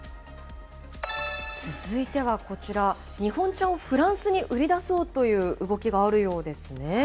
続いてはこちら、日本茶をフランスに売り出そうという動きがあるようですね。